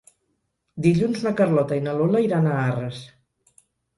Dilluns na Carlota i na Lola iran a Arres.